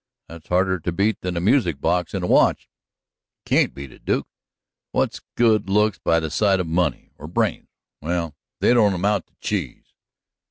"That's harder to beat than a music box in a watch." "You can't beat it, Duke. What's good looks by the side of money? Or brains? Well, they don't amount to cheese!"